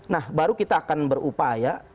nah baru kita akan berupaya